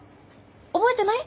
覚えてない？